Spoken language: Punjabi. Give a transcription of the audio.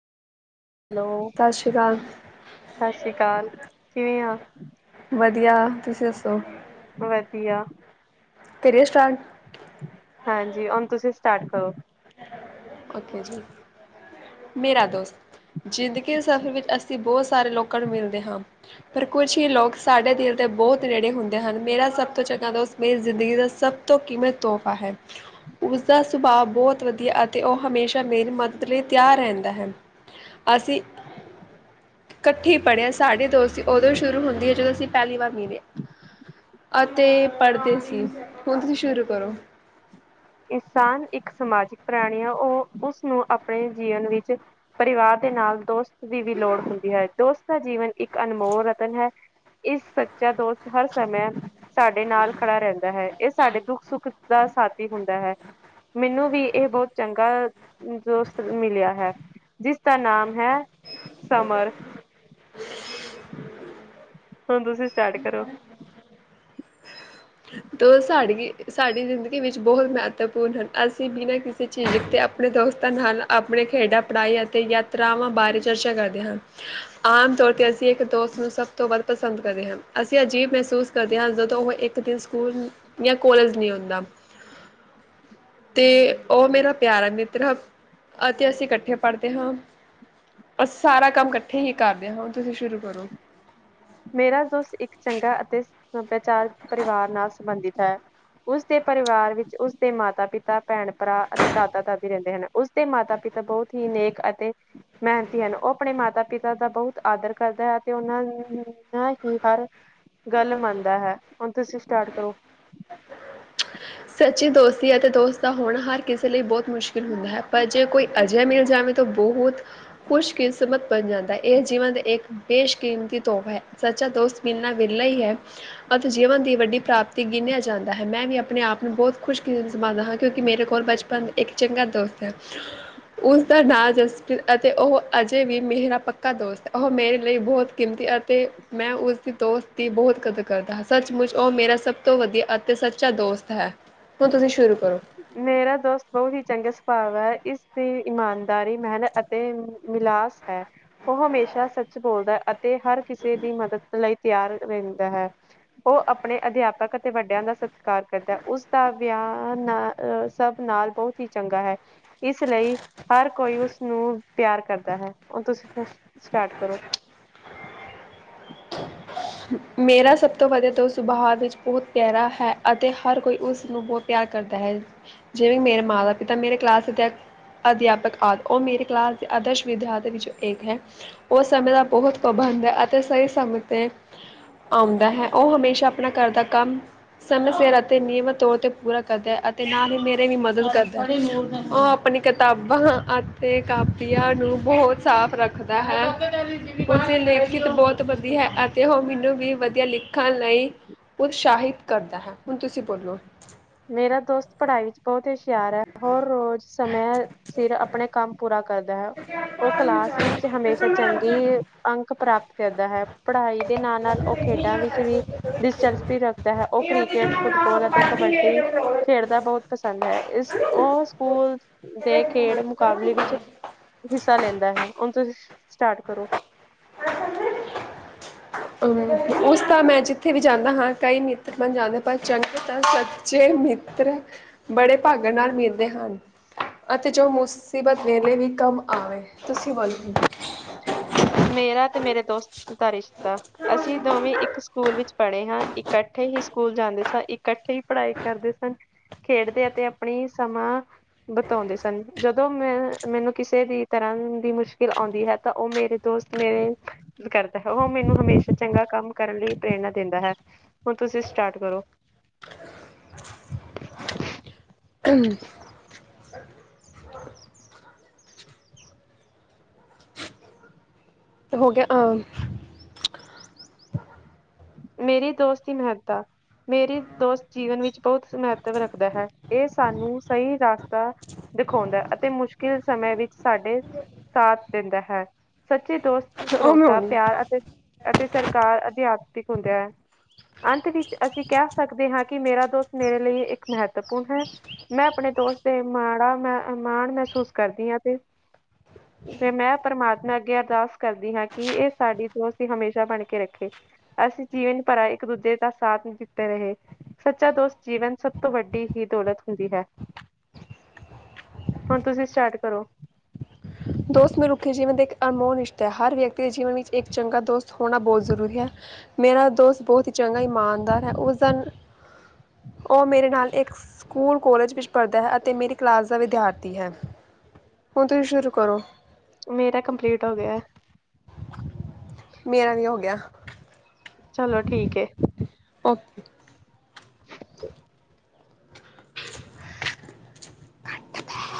ਹੈਲੋ ਸਤਿ ਸ਼੍ਰੀ ਅਕਾਲ ਸਤਿ ਸ਼੍ਰੀ ਅਕਾਲ ਕਿਵੇਂ ਆ ਵਧੀਆ ਤੁਸੀਂ ਦੱਸੋ ਵਧੀਆ ਕਰੀਏ ਸਟਾਰਟ ਹਾਂਜੀ ਹੋਣ ਤੁਸੀਂ ਸਟਾਰਟ ਕਰੋ ਓਕੇ ਜੀ ਮੇਰਾ ਦੋਸਤ ਜ਼ਿੰਦਗੀ ਦੇ ਸਫ਼ਰ ਵਿੱਚ ਅਸੀਂ ਬਹੁਤ ਸਾਰੇ ਲੋਕਾਂ ਨੂੰ ਮਿਲਦੇ ਹਾਂ ਪਰ ਕੁੱਛ ਹੀ ਲੋਕ ਸਾਡੇ ਦਿਲ ਦੇ ਬਹੁਤ ਨੇੜੇ ਹੁੰਦੇ ਹਨ ਮੇਰਾ ਸਭ ਤੋਂ ਚੰਗਾ ਦੋਸਤ ਮੇਰੀ ਜ਼ਿੰਦਗੀ ਦਾ ਸਭ ਤੋਂ ਕਿਮਤ ਤੋਹਫ਼ਾ ਹੈ ਉਸਦਾ ਸੁਭਾਅ ਬਹੁਤ ਵਧੀਆ ਅ ਤੇ ਉਹ ਹਮੇਸ਼ਾ ਮੇਰੀ ਮਦਦ ਲਈ ਤਿਆਰ ਰਹਿੰਦਾ ਹੈ ਅਸੀਂ ਇਕੱਠੇ ਹੀ ਪੜ੍ਹਿਆਂ ਸਾਡੀ ਦੋਸਤੀ ਉਦੋਂ ਸ਼ੁਰੂ ਹੁੰਦੀ ਹੈ ਜਦੋਂ ਅਸੀਂ ਪਹਿਲੀ ਵਾਰ ਮੀਲੇ ਅਤੇ ਪੜ੍ਹਦੇ ਸੀ ਹੁਣ ਤੁਸੀਂ ਸ਼ੁਰੂ ਕਰੋ ਇਨਸਾਨ ਇੱਕ ਸਮਾਜਿਕ ਪ੍ਰਾਣੀ ਆ ਉਹ ਉਸਨੂੰ ਆਪਣੇ ਜੀਵਨ ਵਿੱਚ ਪਰਿਵਾਰ ਦੇ ਨਾਲ ਦੋਸਤ ਦੀ ਵੀ ਲੋੜ ਹੁੰਦੀ ਹੈ ਦੋਸਤ ਦਾ ਜੀਵਨ ਇੱਕ ਅਨਮੋਲ ਰਤਨ ਹੈ ਇਸ ਸੱਚਾ ਦੋਸਤ ਹਰ ਸਮੇ ਸਾਡੇ ਨਾਲ ਖੜਾ ਰਹਿੰਦਾ ਹੈ ਇਹ ਸਾਡੇ ਦੁੱਖ ਸੁੱਖ ਦਾ ਸਾਥੀ ਹੁੰਦਾ ਹੈ ਮੈਨੂੰ ਵੀ ਇਹ ਬਹੁਤ ਚੰਗਾ ਦੋਸਤ ਮਿਲਿਆ ਹੈ ਜਿਸਦਾ ਨਾਮ ਹੈ ਸਮਰ ਹੁਣ ਤੁਸੀਂ ਸਟਾਰਟ ਕਰੋ ਦੋ ਸਾਡਕੀ ਸਾਡੀ ਜ਼ਿੰਦਗੀ ਵਿੱਚ ਬਹੁਤ ਮਹੱਤਵਪੂਰਨ ਅਸੀਂ ਬਿਨਾਂ ਕਿਸੇ [unintelligible] ਆਪਣੇ ਦੋਸਤਾਂ ਨਾਲ ਆਪਣੇ ਖੇਡਾਂ ਪੜ੍ਹਾਈ ਅਤੇ ਯਾਤਰਾਵਾਂ ਬਾਰੇ ਚਰਚਾ ਕਰਦੇ ਹਨ ਆਮ ਤੌਰ ਤੇ ਅਸੀਂ ਇੱਕ ਦੋਸਤ ਨੂੰ ਸਭ ਤੋਂ ਵੱਧ ਪਸੰਦ ਕਰਦੇ ਹਾਂ ਅਸੀਂ ਅਜੀਬ ਮਹਿਸੂਸ ਕਰਦੇ ਹਾਂ ਜ਼ਦੋਂ ਉਹ ਇੱਕ ਦਿਨ ਸਕੂਲ ਜਾਂ ਕਲੇਜ਼ ਨੀ ਔਂਦਾ ਤੇ ਉਹ ਮੇਰਾ ਪਿਆਰਾ ਮਿਤਰ ਹ ਅਤੇ ਅਸੀਂ ਇਕੱਠੇ ਪੜ੍ਹਦੇ ਹਾਂ ਅਸੀ ਸਾਰਾ ਕੰਮ ਇਕੱਠੇ ਹੀ ਕਰਦੇ ਹਾਂ ਹੁਣ ਤੁਸੀਂ ਸ਼ੁਰੂ ਕਰੋ ਮੇਰਾ ਦੋਸਤ ਇੱਕ ਚੰਗਾ ਅਤੇ ਸਭਿਆਚਾਰਕ ਪਰਿਵਾਰ ਨਾਲ ਸੰਬੰਧਿਤ ਹੈ ਉਸਦੇ ਪਰਿਵਾਰ ਵਿੱਚ ਉਸਦੇ ਮਾਤਾ ਪਿਤਾ ਭੈਣ ਭਰਾ ਅਤੇ ਦਾਦਾ ਦਾਦੀ ਰਹਿੰਦੇ ਹਨ ਉਸ ਦੇ ਮਾਤਾ ਪਿਤਾ ਬਹੁਤ ਹੀ ਨੇਕ ਅਤੇ ਮੇਹਨਤੀ ਹਨ ਉਹ ਆਪਣੇ ਮਾਤਾ ਪਿਤਾ ਦਾ ਬਹੁਤ ਆਦਰ ਕਰਦਾ ਹੈ ਤੇ ਉਹਨਾਂ ਨੂੰ [unintelligible] ਹੀ ਹਰ ਗੱਲ ਮੰਨਦਾ ਹੈ ਹੁਣ ਤੁਸੀਂ ਸਟਾਰਟ ਕਰੋ ਸੱਚੀ ਦੋਸਤੀ ਅਤੇ ਦੋਸਤ ਦਾ ਹੋਣਾ ਹਰ ਕਿਸੇ ਲਈ ਬਹੁਤ ਮੁਸ਼ਕਿਲ ਹੁੰਦਾ ਹੈ ਪਰ ਜੇ ਕੋਈ ਅਜੇ ਮਿਲ ਜਾਵੇ ਤੋਂ ਬਹੁਤ ਖੁਸ਼ਕਿਸਮਤ ਬਣ ਜਾਂਦਾ ਹੈ ਇਹ ਜੀਵਨ ਦੇ ਇੱਕ ਬੇਸ਼ਕੀਮਤੀ ਤੋਹਫ਼ਾ ਹੈ ਸੱਚਾ ਦੋਸਤ ਮਿਲਨਾ ਵਿਰਲਾ ਹੀ ਹੈ ਅਤੇ ਜੀਵਨ ਦੀ ਵੱਡੀ ਪ੍ਰਾਪਤੀ ਗਿਨਿਆ ਜਾਂਦਾ ਹੈ ਮੈਂ ਵੀ ਆਪਣੇ ਆਪ ਬਹੁਤ ਖੁਸ਼ [unintelligible] ਹਾਂ ਕਿਉਂਕਿ ਮੇਰੇ ਕੋਲ ਬਚਪਨ ਇੱਕ ਚੰਗਾ ਦੋਸਤ ਹੈ ਉਸਦਾ ਨਾਂ ਜਸਪ੍ਰੀਤ ਅਤੇ ਉਹ ਅਜੇ ਵੀ ਮੇਰਾ ਪੱਕਾ ਦੋਸਤ ਉਹ ਮੇਰੇ ਲਈ ਬਹੁਤ ਕਿਮਤੀ ਅਤੇ ਮੈਂ ਉਸਦੀ ਦੋਸਤ ਦੀ ਬਹੁਤ ਕਦਰ ਕਰਦਾ ਹਾਂ ਸੱਚਮੁੱਚ ਉਹ ਮੇਰਾ ਸਭ ਤੋਂ ਵਧੀਆ ਅਤੇ ਸੱਚਾ ਦੋਸਤ ਹੈ ਹੁਣ ਤੁਸੀਂ ਸ਼ੁਰੂ ਕਰੋ ਮੇਰਾ ਦੋਸਤ ਬਹੁਤ ਹੀ ਚੰਗਾ ਸੁਭਾਵ ਐ ਇਸ ਦੀ ਇਮਾਨਦਾਰੀ ਮੇਹਨ ਅਤ ਤੇ ਮਿਲਾਸ ਹੈ ਓਹ ਹਮੇਸ਼ਾ ਸੱਚ ਬੋਲਦਾ ਅਤੇ ਹਰ ਕਿਸੇ ਦੀ ਮਦਦ ਲਈ ਤਿਆਰ ਰੈਹੰਦਾ ਹੈ। ਓ ਅਪਣੇ ਅਧਿਆਪਕ ਅਤੇ ਵੱਡਿਆਂ ਦਾ ਸਤਕਾਰ ਕਰਦੈ, ਓਸਦਾ ਵਿਆਹ ਨਾ ਅਹ ਸਬ ਨਾਲ ਬਹੁਤ ਹੀ ਚੰਗਾ ਹੈ। ਇਸ ਲਈ ਹਰ ਕੋਈ ਉਸਨੂੰ ਪਿਆਰ ਕਰਦਾ ਹੈ, ਓਹ ਤੁਸ ਸਟਾਰਟ ਕਰੋ। ਮੇਰਾ ਸਭ ਤੋਂ ਵਧੀਆ ਤੋ ਉਸ ਬਹਾਰ ਵਿੱਚ ਬਹੁਤ ਪਿਆਰਾ ਹੈ, ਅਤੇ ਹਰ ਕੋਈ ਉਸ ਨੂੰ ਬਹੁਤ ਤਿਆਰ ਕਰਦਾ ਹੈ, ਜਿਵੇਂ ਮੇਰੇ ਮਾਂ ਦਾ ਪਿਤਾ ਮੇਰੇ ਕਲਾਸ ਚ ਐ। ਅਧਿਆਪਕ ਆਦਿ ਓਹ ਮੇਰੇ ਕਲਾਸ ਦੇ ਆਦਰਸ਼ ਵਿਦਿਆ ਦੇ ਵਿੱਚੋਂ ਏਕ ਹੈ। ਓ ਸਮੇਂ ਦਾ ਬਹੁਤ ਪਾਬੰਦ ਹੈ, ਅਤੇ ਸਹੀ ਸਮੇਂ ਤੇ ਆਉਂਦਾ ਹੈ ਓਹ ਹਮੇਸ਼ਾ ਆਪਣਾ ਘਰ ਦਾ ਕੰਮ ਸਮੇਂ ਸਿਰ ਅਤੇ ਨਿਯਮਤ ਤੌਰ ਤੇ ਪੂਰਾ ਕਰਦੈ, ਅਤੇ ਨਾਲ ਹੀ ਮੇਰੇ ਵੀ ਮਦਦ ਕਰਦੈ। ਓ ਆਪਣੀ ਕਿਤਾਬਾਂ ਅਤੇ ਕਾਪੀਆਂ ਨੂੰ ਬਹੁਤ ਸਾਫ਼ ਰੱਖਦਾ ਹੈ। ਉਸੇ ਲੇਖਿਤ ਬਹੁਤ ਵਧੀਆ ਹੈ ਆ ਅਤੇ ਓਹ ਮੈਨੂੰ ਵੀ ਵਧੀਆ ਲਿਖਣ ਲਈ ਉਤਸ਼ਾਹਿਤ ਕਰਦਾ ਹੈ। ਹੁਣ ਤੁਸੀਂ ਬੋਲੋ ਮੇਰਾ ਦੋਸਤ ਪੜ੍ਹਾਈ ਵਿੱਚ ਬਹੁਤ ਹਸ਼ਿਆਰ ਐ। ਹੋਰ ਰੋਜ਼ ਸਮੇ ਸਿਰ ਆਪਣੇ ਕੰਮ ਪੂਰਾ ਕਰਦੈ। ਓਹ ਕਲਾਸ ਵਿੱਚ ਹਮੇਸ਼ਾ ਚੰਗੇ ਅੰਕ ਪ੍ਰਾਪਤ ਕਰਦਾ ਹੈ। ਪੜ੍ਹਾਈ ਦੇ ਨਾਲ-ਨਾਲ ਓਹ ਖੇਡਾਂ ਵਿੱਚ ਵੀ ਦਿਸਚਸਪੀ ਰੱਖਦਾ ਹੈ, ਓਹ ਕ੍ਰਿਕੇਟ, ਫੁੱਟਬਾਲ ਅਤੇ ਕਬੱਡੀ ਖੇਡਦਾ ਬਹੁਤ ਪਸੰਦ ਹੈ, ਇਸ ਓਹ ਸਕੂਲ ਦੇ ਖੇਡ ਮੁਕਾਬਲੇ ਵਿੱਚ ਹਿੱਸਾ ਲੈਂਦਾ ਹੈ, ਹੁਣ ਤੁਸੀਂ ਸਟਾਰਟ ਕਰੋ। [unintelligible] ਅ ਉਸਦਾ ਮੈਂ ਜਿੱਥੇ ਵੀ ਜਾਂਣਾ ਹਾਂ, ਕਈ ਮਿੱਤਰ ਬਣ ਜਾਂਦਾ ਪਰ ਚੰਗ ਤਾਂ ਸੱਚੇ ਮਿੱ ਪਿੱਤਰ, ਬੜੇ ਭਾਗਾਂ ਨਾਲ ਮਿਲਦੇ ਹਨ। ਅਤੇ ਜੋ ਮੁਸੀਬਤ ਵੇਲੇ ਵੀ ਕੰਮ ਆਵੇ, ਤੁਸੀਂ ਵੋਲ ਮੇਰਾ ਤੇ ਮੇਰੇ ਦੋਸਤ ਦਾ ਰਿਸ਼ਤਾ ਅਸੀਂ ਦੋਵੇਂ ਇੱਕ ਸਕੂਲ ਵਿੱਚ ਪੜ੍ਹੇ ਹਾਂ, ਇਕੱਠੇ ਹੀ ਸਕੂਲ ਜਾਂਦੇ ਸਾਂ, ਇਕੱਠੇ ਈ ਪੜ੍ਹਾਈ ਕਰਦੇ ਸਨ। ਖੇਡਦੇ ਆਂ ਤੇ ਆਪਣੀ ਸਮਾਂ ਬਿਤਾਉਂਦੇ ਸਨ, ਜਦੋਂ ਮੈਂ ਮੈਨੂੰ ਕਿਸੇ ਵੀ ਤਰ੍ਹਾਂ ਦੀ ਮੁਸ਼ਕਿਲ ਆਉਂਦੀ ਹੈ ਤਾਂ ਓਹ ਮੇਰੇ ਦੋਸਤ ਮੇਰੇ ਕਰਦਾ ਹੈ, ਓਹ ਮੈਨੂੰ ਹਮੇਸ਼ਾ ਚੰਗਾ ਕੰਮ ਕਰਨ ਲਈ ਪ੍ਰੇਰਨਾ ਦੇਂਦਾ ਹੈ। ਹੁਣ ਤੁਸੀਂ ਸਟਾਰਟ ਕਰੋ। ਹਮ [unintelligible] ਹੋ ਗਿਆ ਆਂ। ਮੇਰੀ ਦੋਸਤੀ ਮੈਹਤਾ ਮੇਰੀ ਦੋਸਤ ਜੀਵਨ ਵਿੱਚ ਬਹੁਤ ਮਹੱਤਵ ਰੱਖਦਾ ਹੈ ਏਹ ਸਾਨੂੰ ਸਹੀ ਰਾਸਤਾ ਦਿਖਾਉਂਦੈ ਅਤੇ ਮੁਸ਼ਕਿਲ ਸਮੇਂ ਵਿੱਚ ਸਾਡੇ, ਸਾਥ ਦੇਂਦਾ ਹੈ। ਸੱਚੇ ਦੋਸਤ, ਭਰੋਸਾ, ਅਮੋਲ ਪਿਆਰ ਅਤੇ-ਅਤੇ ਸਰਕਾਰ ਅਧਿਆਤਮਿਕ ਹੁੰਦੈ। ਅੰਤ ਵਿੱਚ ਅਸੀਂ ਕੈਹ ਸਕਦੇ ਹਾਂ ਕਿ ਮੇਰਾ ਦੋਸਤ ਮੇਰੇ ਲਈ ਇੱਕ ਮਹੱਤਵਪੂਰਨ ਹੈ। ਮੈਂ ਆਪਣੇ ਦੋਸਤ ਤੇ ਮਾੜਾ ਮੈਂ ਮਾਣ ਮੈਹਸੂਸ ਕਰਦੀ ਆਂ ਤੇ ਤੇ ਮੈਂ ਪ੍ਰਮਾਤਮਾ ਅੱਗੇ ਅਰਦਾਸ ਕਰਦੀ ਹਾਂ ਕਿ ਏਹ ਸਾਡੀ ਦੋਸਤੀ ਹਮੇਸ਼ਾ ਬਣ ਕੇ ਰੱਖੇ। ਅਸੀਂ ਜੀਵੇਨ ਭਰਾ ਇੱਕ ਦੂਜੇ ਦਾ ਸਾਥ ਦਿੱਤੇ ਰਹੇ। ਸੱਚਾ ਦੋਸਤ ਜੀਵਨ ਸਭ ਤੋਂ ਵੱਡੀ ਹੀ ਦੌਲਤ ਹੁੰਦੀ ਹੈ‌। ਹੁਣ ਤੁਸੀਂ ਸਟਾਰਟ ਕਰੋ। ਦੋਸਤ ਮਨੁੱਖੀ ਜੀਵਨ ਦਾ ਇੱਕ ਅਨਮੋਲ ਰਿਸ਼ਤੈ, ਹਰ ਵਿਅਕਤੀ ਦੇ ਜੀਵਨ ਵਿੱਚ ਇੱਕ ਚੰਗਾ ਦੋਸਤ ਹੋਣਾ ਬੋਹਤ ਜ਼ਰੂਰੀ ਹੈ। ਮੇਰਾ ਦੋਸਤ ਬਹੁਤ ਈ ਚੰਗਾ ਇਮਾਨਦਾਰ ਹੈ ਉਸ ਦਿਨ, ਓਹ ਮੇਰੇ ਨਾਲ ਏਕ ਸਕੂਲ, ਕੋਲੇਜ ਵਿੱਚ ਪੜ੍ਹਦਾ ਹੈ ਅਤੇ ਮੇਰੀ ਕਲਾਸ ਦਾ ਵਿਦਿਆਰਥੀ ਹੈ। ਹੁਣ ਤੁਸੀਂ ਸ਼ੁਰੂ ਕਰੋ। ਮੇਰਾ ਕੰਪਲੀਟ ਹੋ ਗਿਆ। ਮੇਰਾ ਵੀ ਹੋ ਗਿਆ। ਚਲੋ, ਠੀਕ ਏ। ਓਕੇ!